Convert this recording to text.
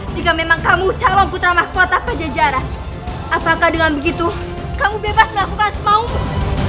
jika memang kamu calon putra mahkuat apa jajaran apakah dengan begitu kamu bebas melakukan semua umur